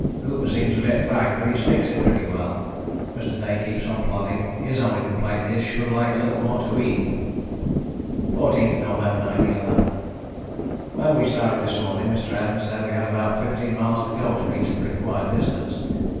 Hooper seems a bit fagged but he sticks it pretty well. Mr. Day keeps on plodding, his only complaint is should like a little more to eat. "14th November 1911. "When we started this morning Mr. Evans said we had about 15 miles to go to reach the required distance.